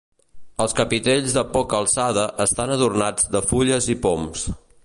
Els capitells de poca alçada estan adornats de fulles i poms.